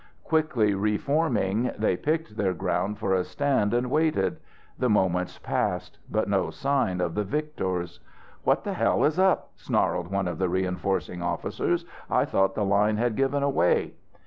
Quickly reforming, they picked their ground for a stand and waited. The moments passed, but no sign of the victors. "What the hell is up?" snarled one of the reinforcing officers. "I thought the line had given way."